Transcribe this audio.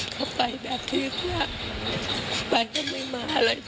เขาไปแบบที่นี่ไปก็ไม่มาเลย